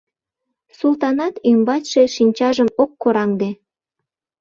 Султанат ӱмбачше шинчажым ок кораҥде.